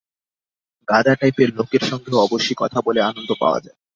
গাধা টাইপের লোকের সঙ্গেও অবশ্যি কথা বলে আনন্দ পাওয়া যায়।